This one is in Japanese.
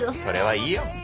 それはいいよ。